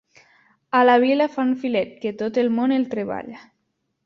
A la Vila fan filet, que tot el món el treballa.